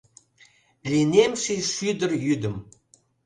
Лийнем ший шӱдыр йӱдым.